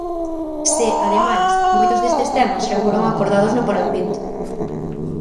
Se, ademais, moitos destes temas xa foron acordados no Parlamento.